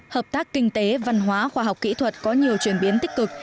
hợp tác kinh tế văn hóa khoa học kỹ thuật có nhiều chuyển biến tích cực